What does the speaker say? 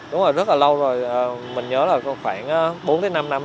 đúng là rất là lâu rồi mình nhớ là khoảng bốn năm năm